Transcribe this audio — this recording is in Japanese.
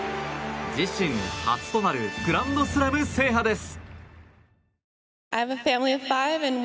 自身初となるグランドスラム制覇です。